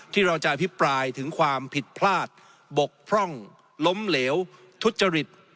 ที่เราจะอภิปรายถึงความผิดพลาดบกพร่องล้มเหลวทุจริต